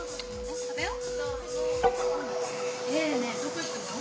ねえねえどこ行くの？